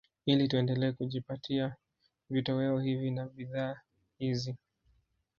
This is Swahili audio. Ili tuendelee kujipatia vitoweo hivi na bidhaa hizi